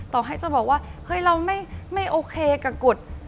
ต่อให้จะบอกว่าเฮ้ยเราไม่โอเคกับกฎ